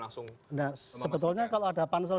langsung nah sebetulnya kalau ada pansel